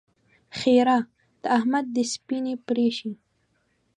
ښېرا: د احمد دې سپينې پرې شي!